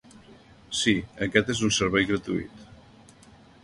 Sí, aquest és un servei gratuït.